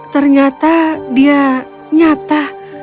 ternyata dia nyata